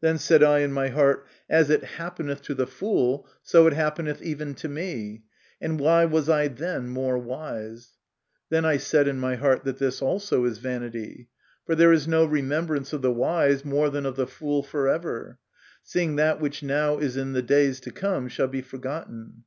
Then said I in my heart, As it happeneth GO MY CONFESSION. to the fool, so it happeneth even to me ; and why was I then more wise ? Then I said in my heart, that this also is vanity. For there is no remembrance of the wise more than of the fool forever ; seeing that which now is in the days to come shall be forgotten.